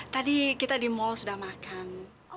tadi kita di mall sudah makan